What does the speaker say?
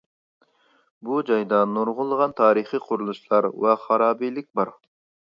بۇ جايدا نۇرغۇنلىغان تارىخىي قۇرۇلۇشلار ۋە خارابىلىك بار.